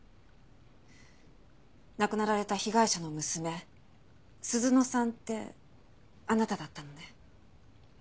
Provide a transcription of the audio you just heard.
亡くなられた被害者の娘鈴乃さんってあなただったのね？